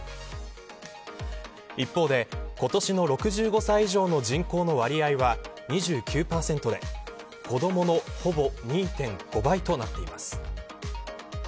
一方で今年の６５歳以上の人口の割合は２９％で子どものほぼ２．５倍となっています。